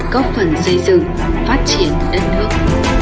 góp phần xây dựng phát triển đất nước